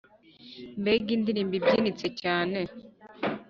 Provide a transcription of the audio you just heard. mbega indirimbo ibyinitse cyane